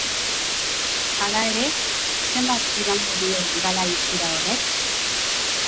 Hala ere, zenbat iraungo dio galai itxura horrek?